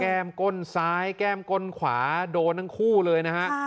ก้นซ้ายแก้มก้นขวาโดนทั้งคู่เลยนะฮะ